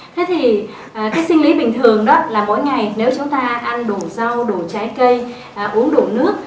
thế thì cái sinh lý bình thường đó là mỗi ngày nếu chúng ta ăn đồ rau đủ trái cây uống đủ nước